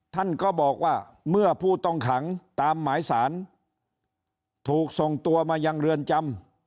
ท่านก็บอกว่าเมื่อผู้ต้องขังตามหมายสารถูกส่งตัวมายังเรือนจำ